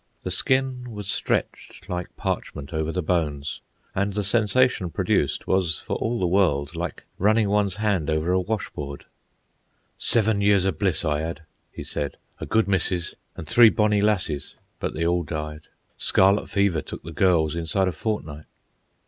The skin was stretched like parchment over the bones, and the sensation produced was for all the world like running one's hand over a washboard. "Seven years o' bliss I 'ad," he said. "A good missus and three bonnie lassies. But they all died. Scarlet fever took the girls inside a fortnight."